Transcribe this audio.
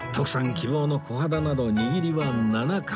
希望のコハダなど握りは７貫